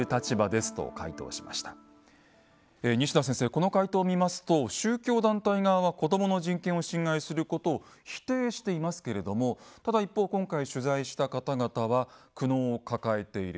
この回答を見ますと宗教団体側は子どもの人権を侵害することを否定していますけれどもただ一方今回取材した方々は苦悩を抱えている。